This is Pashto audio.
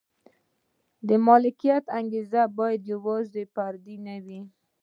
د ملکیت انګېزه باید یوازې فردي نه وي.